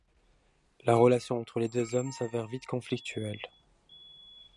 La relation entre les deux hommes s'avère vite conflictuelle.